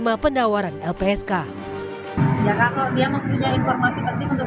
pengen ada kita akan mencari